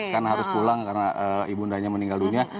karena harus pulang karena ibu undanya meninggal dunia